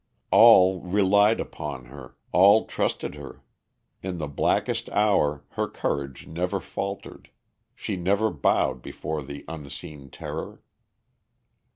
All relied upon her, all trusted her. In the blackest hour her courage never faltered; she never bowed before the unseen terror.